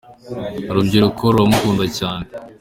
Urubyiruko ruramukunda cyane.